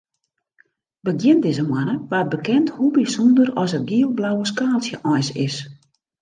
Begjin dizze moanne waard bekend hoe bysûnder as it giel-blauwe skaaltsje eins is.